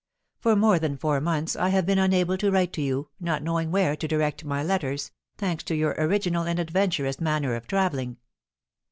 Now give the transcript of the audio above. For more than four months I have been unable to write to you, not knowing where to direct my letters, thanks to your original and adventurous manner of travelling.